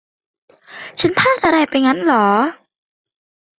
ฉันพลาดอะไรไปงั้นเหรอ ?